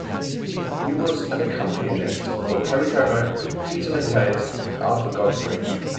He was an accompanist for Perry Como, Peter Lind Hayes, and Arthur Godfrey.